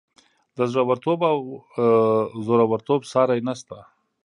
د زړه ورتوب او زورورتوب ساری نشته.